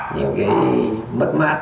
những cái mất mát